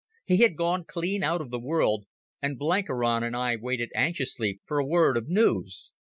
He had gone clean out of the world, and Blenkiron and I waited anxiously for a word of news.